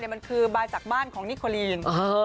มันคือมาจากบ้านของนิโคลีน